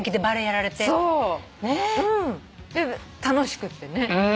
楽しくってね。